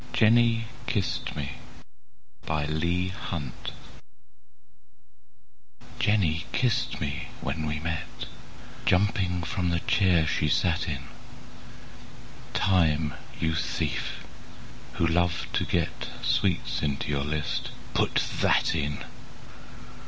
Jenny kiss'd Me JENNY kiss'd me when we met, Jumping from the chair she sat in; Time, you thief, who love to get Sweets into your list, put that in!